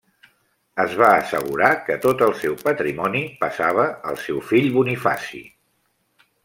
Es va assegurar que tot el seu patrimoni passava al seu fill Bonifaci.